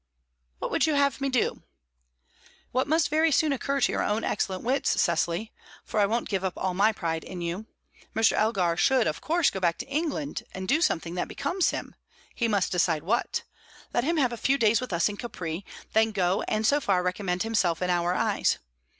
"What would you have me do?" "What must very soon occur to your own excellent wits, Cecily for I won't give up all my pride in you. Mr. Elgar should, of course, go back to England, and do something that becomes him; he must decide what. Let him have a few days with us in Capri; then go, and so far recommend himself in our eyes.